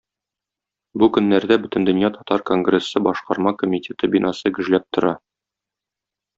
Бу көннәрдә Бөтендөнья татар конгрессы Башкарма комитеты бинасы гөжләп тора.